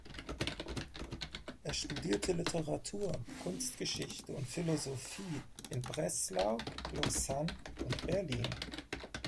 Er studierte Literatur, Kunstgeschichte und Philosophie in Breslau, Lausanne und Berlin.